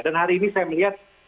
dan hari ini saya melihat